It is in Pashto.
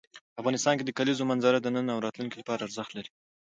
افغانستان کې د کلیزو منظره د نن او راتلونکي لپاره ارزښت لري.